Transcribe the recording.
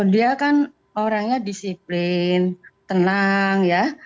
dia kan orangnya disiplin tenang ya